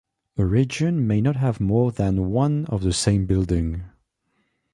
A region may not have more than one of the same building.